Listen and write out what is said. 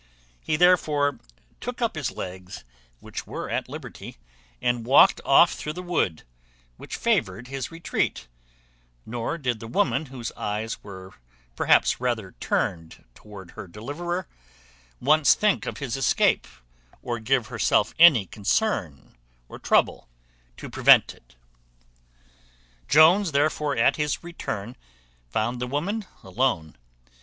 He therefore took up his legs, which were at liberty, and walked off through the wood, which favoured his retreat; nor did the woman, whose eyes were perhaps rather turned toward her deliverer, once think of his escape, or give herself any concern or trouble to prevent it. Jones therefore, at his return, found the woman alone.